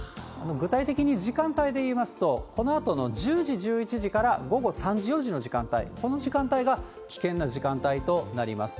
具体的に時間帯でいいますと、このあとの１０時、１１時から午後３時、４時の時間帯、この時間帯が危険な時間帯となります。